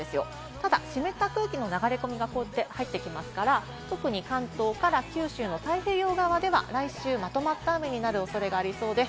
ただ湿った空気の流れ込みがこうやって入ってきますから、特に関東から九州の太平洋側では来週まとまった雨になる恐れがありそうです。